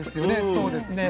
そうですね。